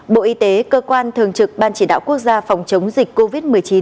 bộ y tế cơ quan thường trực ban chỉ đạo quốc gia phòng chống dịch covid một mươi chín